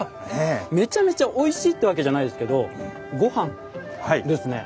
めちゃめちゃおいしいってわけじゃないですけど「ごはん」ですね。